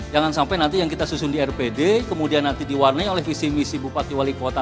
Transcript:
jangan sampai nanti yang kita susun di rpd kemudian nanti diwarnai oleh visi misi bupati wali kota